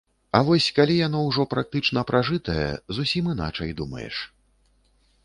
А вось калі яно ўжо практычна пражытае, зусім іначай думаеш.